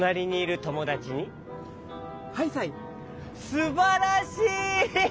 すばらしい！